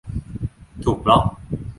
ถูกบล็อค